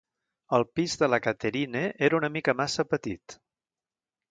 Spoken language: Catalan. El pis de la Catherine era una mica massa petit.